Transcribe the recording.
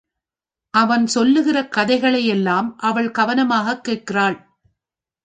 அவன் சொல்லுகின்ற கதைகளையல்லாம் அவள் கவனமாகக் கேட்கிறாள்.